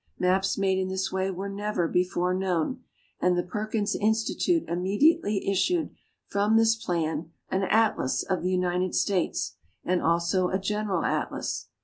Maps made in this way were never before known, and the Perkins Institute immediately issued, from this plan, an "Atlas" of the United States, and also a "General Atlas."